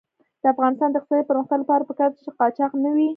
د افغانستان د اقتصادي پرمختګ لپاره پکار ده چې قاچاق نه وي.